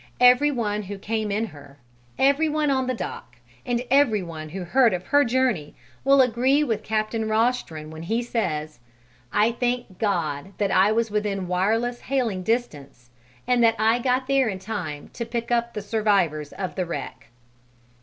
Everyone who came in her, everyone on the dock, and everyone who heard of her journey will agree with Captain Rostron when he says: "I thank God that I was within wireless hailing distance, and that I got there in time to pick up the survivors of the wreck."